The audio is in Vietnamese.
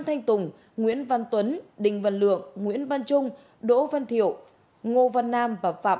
thanh tùng nguyễn văn tuấn đình văn lượng nguyễn văn trung đỗ văn thiệu ngô văn nam và phạm